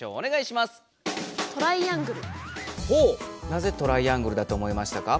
なぜトライアングルだと思いましたか？